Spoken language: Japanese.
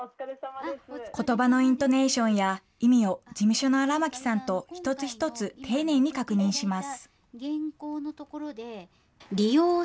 ことばのイントネーションや意味を事務所の荒牧さんと一つ一つ、丁寧に確認します。